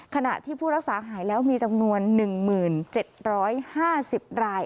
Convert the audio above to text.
ขณะที่ผู้รักษาหายแล้วมีจำนวน๑๗๕๐ราย